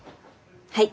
はい！